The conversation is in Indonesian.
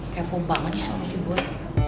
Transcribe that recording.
kepo banget sih sama si boy